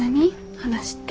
話って。